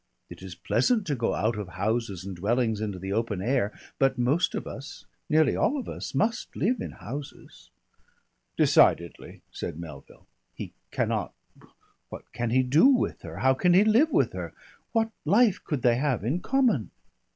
It is pleasant to go out of houses and dwellings into the open air, but most of us, nearly all of us must live in houses." "Decidedly," said Melville. "He cannot What can he do with her? How can he live with her? What life could they have in common?"